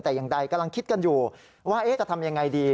แต่ยังไงกำลังคิดกันอยู่ว่าจะทำอย่างไรดี